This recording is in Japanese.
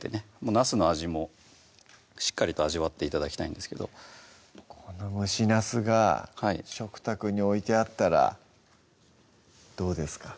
なすの味もしっかりと味わって頂きたいんですけどこの「蒸しなす」が食卓に置いてあったらどうですか？